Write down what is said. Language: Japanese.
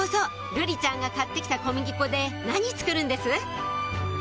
瑠璃ちゃんが買って来た小麦粉で何作るんです？